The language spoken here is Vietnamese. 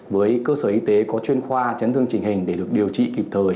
với cơ sở y tế có chuyên khoa chấn thương trình hình để được điều trị kịp thời